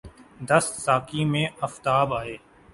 دست ساقی میں آفتاب آئے